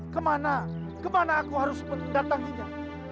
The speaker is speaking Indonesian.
kemana kemana aku harus mendatanginya